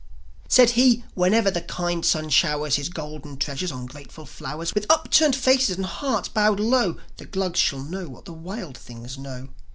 Said he: "Whenever the kind sun showers His golden treasure on grateful flowers, With upturned faces and hearts bowed low, The Glugs shall know what the wild things know."